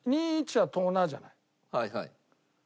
はいはい。